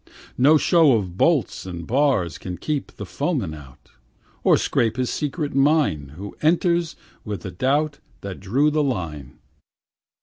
No show of bolts and bars Can keep the foeman out, Or 'scape his secret mine, Who entered with the doubt That drew the line.